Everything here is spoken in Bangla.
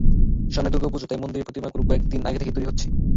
সামনে দুর্গাপূজা তাই মন্দিরে প্রতিমাগুলো কয়েক দিন আগে থেকে তৈরি করা হচ্ছে।